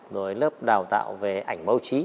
rồi lớp đào tạo về ảnh báo chí